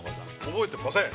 ◆覚えてません。